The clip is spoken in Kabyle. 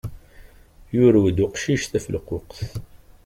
Yurew-d uqcic tafelquqt.